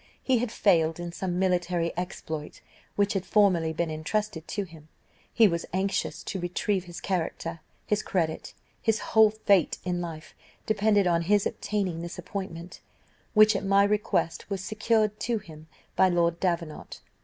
He had failed in some military exploit which had formerly been intrusted to him. He was anxious to retrieve his character; his credit, his whole fate in life, depended on his obtaining this appointment, which, at my request, was secured to him by Lord Davenant.